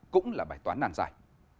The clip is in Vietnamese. cũng là bài toán nàn dài